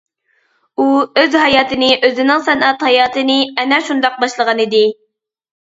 ئۇ ئۆز ھاياتىنى، ئۆزىنىڭ سەنئەت ھاياتىنى ئەنە شۇنداق باشلىغانىدى.